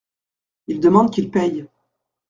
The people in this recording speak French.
Il demande qu’il paye.